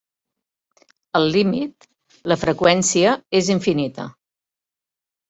Al límit, la freqüència és infinita.